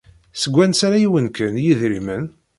Seg wansi ay awen-d-kkan yidrimen?